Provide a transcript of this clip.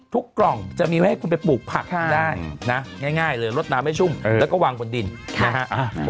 กล่องจะมีไว้ให้คุณไปปลูกผักได้นะง่ายเลยลดน้ำให้ชุ่มแล้วก็วางบนดินนะฮะ